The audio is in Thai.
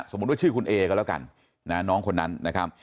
ว่าชื่อคุณเอก็แล้วกันนะน้องคนนั้นนะครับ